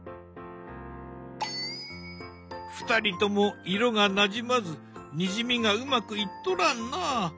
２人とも色がなじまずにじみがうまくいっとらんな。